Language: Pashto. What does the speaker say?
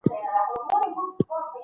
هغه يو لوی تاريخي اثر ليکلی دی.